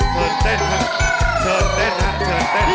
เชิญเต้นครับเชิญเต้นครับเชิญเต้น